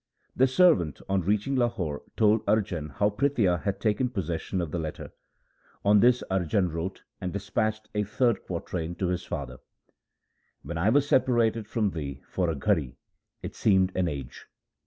The servant on reaching Lahore told Arjan how Prithia had taken possession of the letter. On this Arjan 280 THE SIKH RELIGION wrote and despatched a third quatrain to his father :— When I was separated from thee for a ghari, it seemed an age.